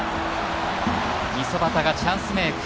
五十幡がチャンスメーク。